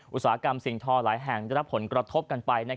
อุตสาหกรรมสิ่งทอหลายแห่งได้รับผลกระทบกันไป